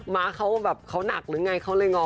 ม้าเค้าแบบเค้าหนักรึไงเค้าเลยงอ